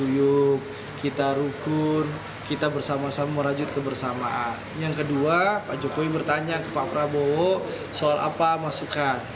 yang kedua pak jokowi bertanya ke pak prabowo soal apa masukan